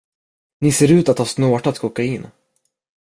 Ni ser ut att ha snortat kokain.